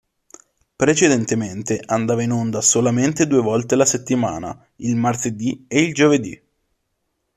Precedentemente andava in onda solamente due volte la settimana, il martedì e il giovedì.